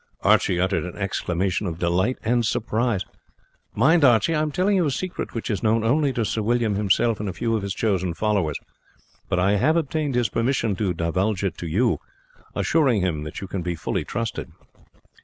Archie uttered an exclamation of delight and surprise. "Mind, Archie, I am telling you a secret which is known only to Sir William himself and a few of his chosen followers; but I have obtained his permission to divulge it to you, assuring him that you can be fully trusted."